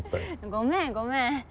ごめんごめん。